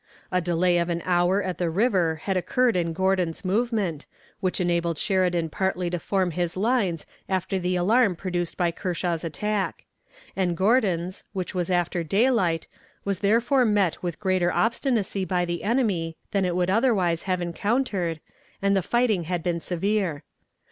A delay of an hour at the river had occurred in Gordon's movement, which enabled Sheridan partially to form his lines after the alarm produced by Kershaw's attack; and Gordon's, which was after daylight, was therefore met with greater obstinacy by the enemy than it would otherwise have encountered, and the fighting had been severe.